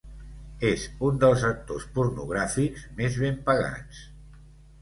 És un dels actors pornogràfics més ben pagats.